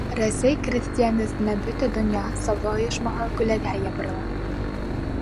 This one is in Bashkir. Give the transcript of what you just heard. Рәсәй крәҫтиәне өҫтөнә Бөтә донъя сауҙа ойошмаһы күләгәһе ябырыла.